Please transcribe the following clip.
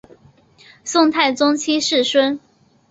宋太宗七世孙。